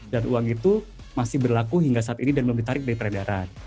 dan uang itu masih berlaku hingga saat ini dan belum ditarik dari peredaran